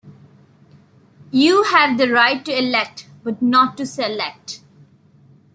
You have the right to elect but not to select.